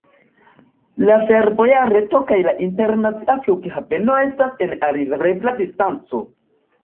La fervoja reto kaj la internacia flughaveno estas en alirebla distanco.